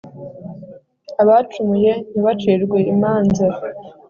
abacumuye ntibacirwe imanza